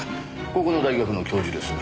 ここの大学の教授です。